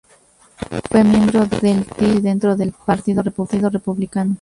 Fue miembro del Tea Party dentro del Partido Republicano.